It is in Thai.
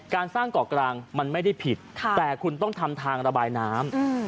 การสร้างเกาะกลางมันไม่ได้ผิดแต่คุณต้องทำทางระบายน้ำ